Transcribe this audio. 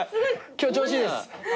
今日調子いいです。